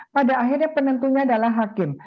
pada akhirnya penentunya adalah hakim